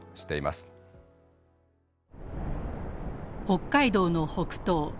北海道の北東。